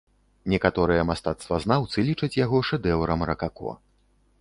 Некаторыя мастацтвазнаўцы лічаць яго шэдэўрам ракако.